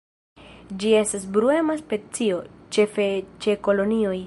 Ĝi estas bruema specio, ĉefe ĉe kolonioj.